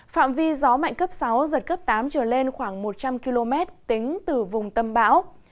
phạm vi gió mạnh cấp sáu giật cấp tám trở lên khoảng một trăm linh km tính từ vùng tâm bão